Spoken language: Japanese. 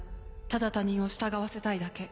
ただ他人を従わせたいだけ。